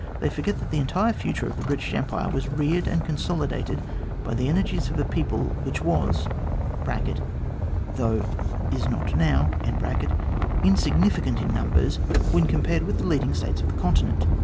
They forget that the entire future of the British Empire was reared and consolidated by the energies of a people which was (though it is not now) insignificant in numbers, when compared with the leading States of the Continent.